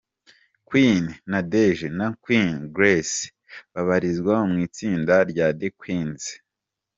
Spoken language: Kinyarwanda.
Queen Nadege na Queen Grace babarizwaga mu itsinda rya The Queens.